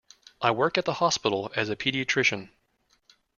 I work at the hospital as a paediatrician.